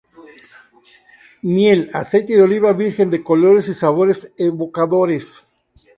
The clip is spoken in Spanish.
Miel, aceite de oliva virgen de colores y sabores evocadores.